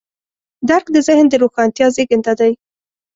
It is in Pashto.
درک د ذهن د روښانتیا زېږنده دی.